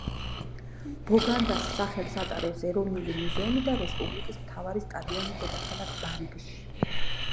ბოგანდას სახელს ატარებს ეროვნული მუზეუმი და რესპუბლიკის მთავარი სტადიონი დედაქალაქ ბანგში.